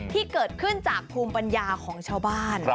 ที่เกิดขึ้นจากภูมิปัญญาของชาวบ้าน